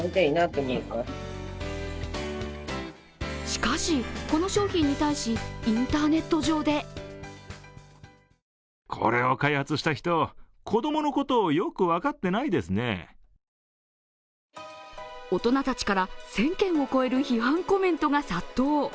しかし、この商品に対しインターネット上で大人たちから１０００件を超える批判コメントが殺到。